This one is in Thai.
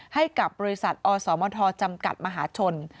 ให้กับบริษัทอสมทจำกัดมหาชน